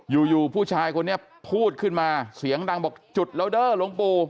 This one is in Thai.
อยู่ผู้ชายคนนี้พูดขึ้นมาเสียงดังบอกจุดแล้วเด้อหลวงปู่